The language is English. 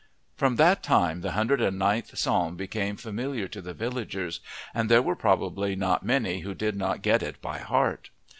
From that time the hundred and ninth Psalm became familiar to the villagers, and there were probably not many who did not get it by heart.